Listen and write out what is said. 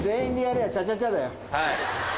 はい。